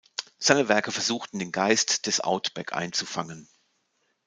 Seine Werke versuchten den Geist des Outback einzufangen.